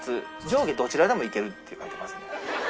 「上下どちらでもいける」って書いてますね。